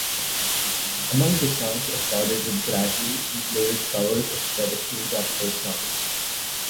Among the songs recorded with Bradley included covers of traditional gospel songs.